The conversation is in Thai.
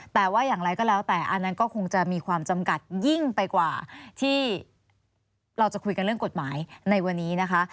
แต่ว่าอย่างไรก็แล้วแต่อันนั้นก็คงจะมีความจำกัดยิ่งไปกว่าที่เราจะคุยกันเรื่องกฎหมายในวันนี้นะคะ